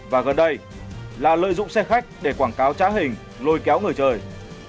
và gần đây là lợi dụng xe khách để quảng cáo trá hình lôi kéo người chơi